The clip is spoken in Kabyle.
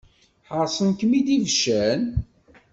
Ḥaṛṣen-kem-id ibeccan.